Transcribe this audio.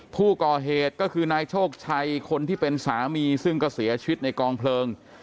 ผู้ก่อเหตุก็คือนายโชคชัยคนที่เป็นสามีซึ่งก็เสียชีวิตในกองเพลิง